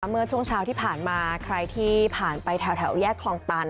เมื่อช่วงเช้าที่ผ่านมาใครที่ผ่านไปแถวแยกคลองตัน